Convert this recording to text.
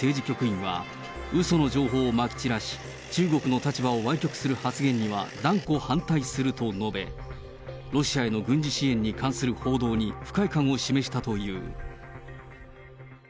局員は、うその情報をまき散らし、中国の立場をわい曲する発言には断固反対すると述べ、ロシアへの軍事支援に関する報道に不快感を示したという。